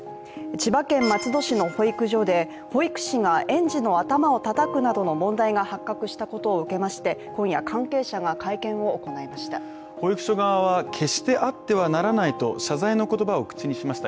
千葉県松戸市の保育所で保育士が園児の頭をたたくなどの問題が発覚したことを受けまして今夜、関係者が会見を行いました。